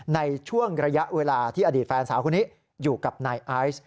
ในช่วงระยะเวลาที่อดีตแฟนสาวคนนี้อยู่กับนายไอซ์